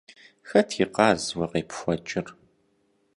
Хэт и къаз уэ къепхуэкӏыр?